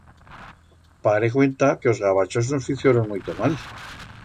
Pare cuenta que os gavachos nos ficioron muito mal.